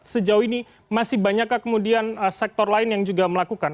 sejauh ini masih banyakkah kemudian sektor lain yang juga melakukan